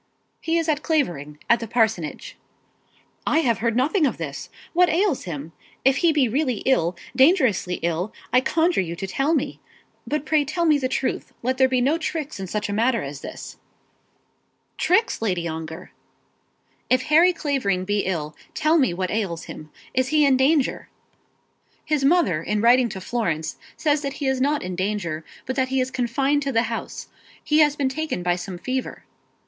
"He is at Clavering; at the parsonage." "I have heard nothing of this. What ails him? If he be really ill, dangerously ill, I conjure you to tell me. But pray tell me the truth. Let there be no tricks in such a matter as this." "Tricks, Lady Ongar!" "If Harry Clavering be ill, tell me what ails him. Is he in danger?" "His mother in writing to Florence says that he is not in danger; but that he is confined to the house. He has been taken by some fever."